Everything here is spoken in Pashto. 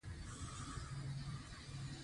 په افغانستان کې ژمی ډېر اهمیت لري.